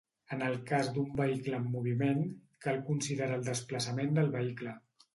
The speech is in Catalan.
En el cas d'un vehicle en moviment, cal considerar el desplaçament del vehicle.